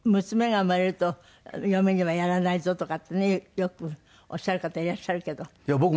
娘が生まれると嫁にはやらないぞとかってねよくおっしゃる方いらっしゃるけど。